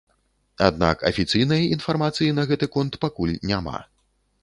Аднак афіцыйнай інфармацыі на гэты конт пакуль няма.